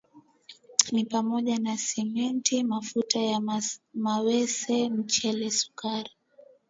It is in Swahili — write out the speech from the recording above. ni pamoja na Simenti mafuta ya mawese mchele sukari